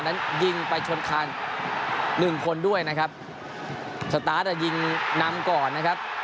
นั้นยิงไปชนคานหนึ่งคนด้วยนะครับสตาร์ทอ่ะยิงนำก่อนนะครับ